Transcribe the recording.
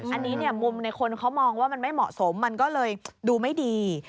อันนี้เนี่ยมุมในคนเขามองว่ามันไม่เหมาะสมมันก็เลยดูไม่ดี